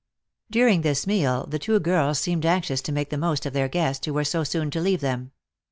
During this meal, the two girls seemed anxious to make the most of their guests, who were so soon to leave them.